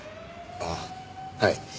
ああはい。